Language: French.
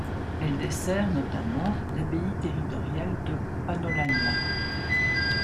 Elle dessert notamment l'Abbaye territoriale de Pannonhalma.